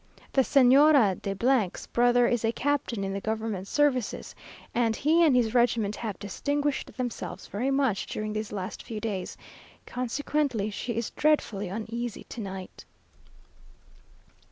The Señora de 's brother is a captain in the government service, and he and his regiment have distinguished themselves very much during these last few days; consequently she is dreadfully uneasy to night.